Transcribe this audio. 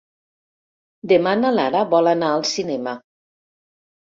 Demà na Lara vol anar al cinema.